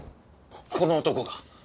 この男が？